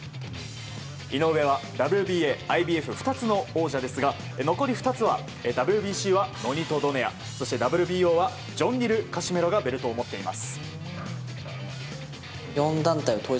井上はＷＢＡ、ＩＢＦ２つの王者ですが残り２つはＷＢＣはノニト・ドネアそしてＷＢＯはジョンリル・カシメロがベルトを持っています。